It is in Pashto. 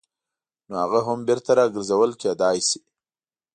نو هغه هم بېرته راګرځول کېدای شي.